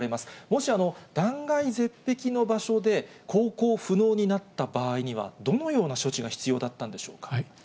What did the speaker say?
もし断崖絶壁の場所で航行不能になった場合には、どのような処置が必要だったんでしょうか。